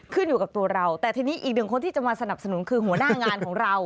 ขึ้นอยู่กับตัวเราแต่ทีนี้อีกหนึ่งคนที่จะมาสนับสนุนคือหัวหน้างานของเรา